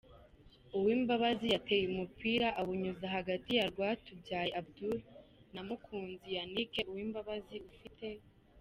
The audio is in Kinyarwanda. Uwimbabazi yateye umupira awunyuza hagati ya Rwatubyaye Abdul na Mukunzi YannickUwimbabazi ufite